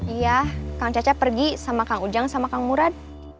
iya kang caca pergi sama kang ujang sama kang murad